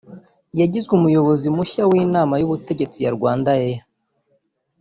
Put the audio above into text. yagizwe umuyobozi mushya w’inama y’ubutegetsi ya Rwandair